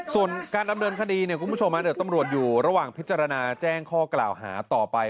ส่วนการดำเนินคดีเนี่ยคุณผู้ชมเดี๋ยวตำรวจอยู่ระหว่างพิจารณาแจ้งข้อกล่าวหาต่อไป